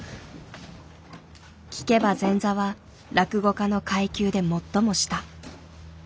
聞けば「前座」は落語家の階級で最も下。